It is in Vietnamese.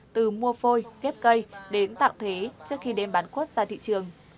từ mua phôi ghép cây đến tạo thế trước khi đem bán quất ra thị trường